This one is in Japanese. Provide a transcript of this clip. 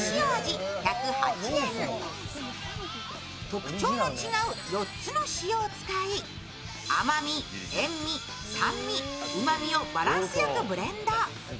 特徴の違う４つの塩を使い、甘み、塩味、酸味、うまみをバランスよくブレンド。